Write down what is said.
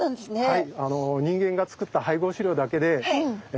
はい。